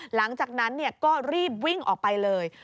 หลังจากนั้นก็รีบวิ่งออกไปเลย